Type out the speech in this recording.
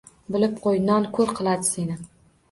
Bilib qo‘y, non ko‘r qiladi seni!